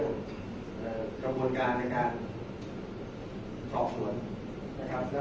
แต่ว่าไม่มีปรากฏว่าถ้าเกิดคนให้ยาที่๓๑